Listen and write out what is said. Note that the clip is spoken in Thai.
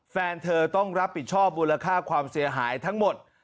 แฟนเธอต้องรับผิดชอบมูลค่าความเสียหายทั้งหมด